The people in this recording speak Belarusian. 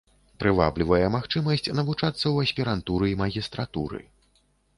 Прываблівае магчымасць навучацца ў аспірантуры і магістратуры.